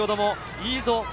いいぞ！